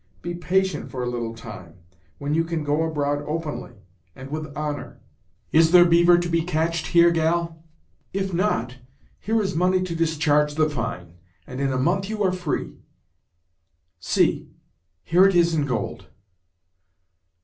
Be patient for a little time, when you can go abroad openly, and with honor." "Is there beaver to be catched here, gal?" "If not, here is money to discharge the fine, and in a month you are free. See, here it is in gold."